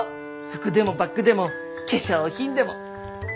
服でもバッグでも化粧品でも。